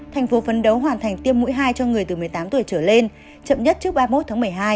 thành phố phấn đấu hoàn thành tiêm mũi hai cho người từ một mươi tám tuổi trở lên chậm nhất trước ba mươi một tháng một mươi hai